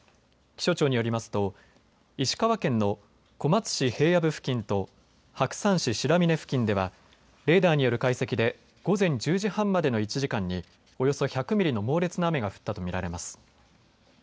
気象庁によりますと石川県の小松市平野部付近と白山市白峰付近ではレーダーによる解析で午前１０時半までの１時間におよそ１００ミリの猛烈な雨が降ったと見られます。